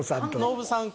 ノブさん